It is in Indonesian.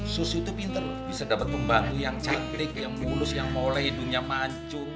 susi itu pinter loh bisa dapet pembantu yang cantik yang mulus yang mulai hidungnya mancung